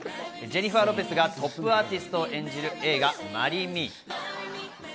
ジェニファー・ロペスがトップアーティストを演じる映画『マリー・ミー』。